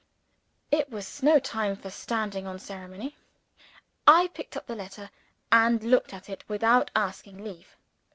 It was no time for standing on ceremony. I picked up the letter, and looked at it without asking leave.